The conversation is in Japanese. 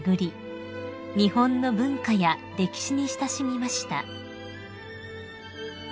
日本の文化や歴史に親しみました］